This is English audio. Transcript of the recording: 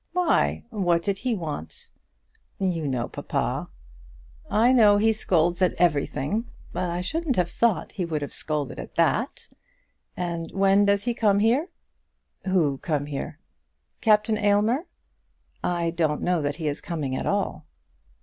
"Why; what did he want?" "You know papa." "I know he scolds at everything, but I shouldn't have thought he would have scolded at that. And when does he come here?" "Who come here?" "Captain Aylmer." "I don't know that he is coming at all."